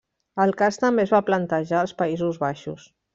El cas també es va plantejar als Països Baixos.